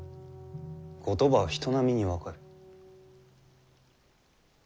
言葉は人並みに分かる。